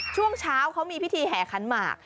ช่วงเช้าเขามีพิธีแห่ขันหมาก